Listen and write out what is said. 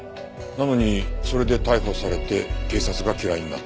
なのにそれで逮捕されて警察が嫌いになった。